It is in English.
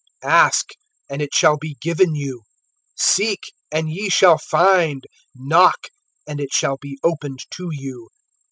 (7)Ask, and it shall be given you; seek, and ye shall find; knock, and it shall be opened to you.